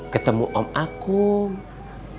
ketemu om akung